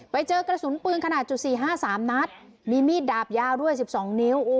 ไปเจอกระสุนปืนขนาดจุด๔๕๓นัดมีมีดดาบยาวด้วย๑๒นิ้ว